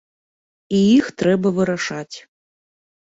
І іх трэба вырашаць.